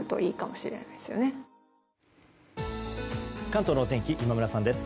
関東の天気今村さんです。